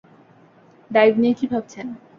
Dive নিয়ে কী ভাবছেন?